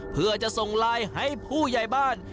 เพื่อจะส่งไลน์ให้ผู้ใหญ่บ้าน